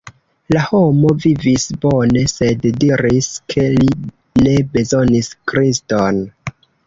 La homo vivis bone, sed diris ke li ne bezonis Kriston.